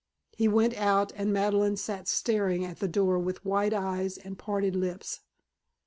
He went out and Madeleine sat staring at the door with wide eyes and parted lips.